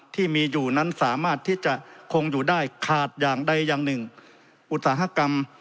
ที่มีอยู่นั้นสามารถที่จะคงอยู่ได้ขาดอย่างใดอย่างหนึ่งอุตสาหกรรม